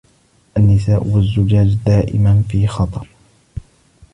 النساء والزجاج دائماً في خطر.